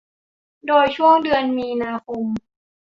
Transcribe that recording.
โดยช่วงเดือนมีนาคม